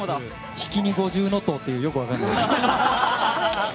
引きに五重塔ってよく分からない。